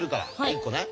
１個ね。